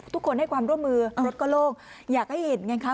ทุกคนให้ความร่วมมือรถก็โล่งอยากให้เห็นไงคะ